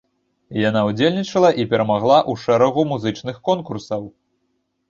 Яна ўдзельнічала і перамагала ў шэрагу музычных конкурсаў.